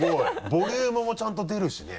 ボリュームもちゃんと出るしね。